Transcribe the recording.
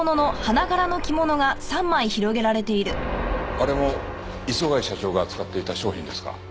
あれも磯貝社長が扱っていた商品ですか？